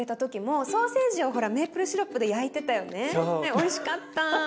おいしかった。